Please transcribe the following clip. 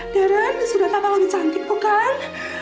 darren sudah kapan lo lebih cantik tuh kan